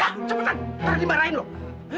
yah cepetan nanti dimarahin loh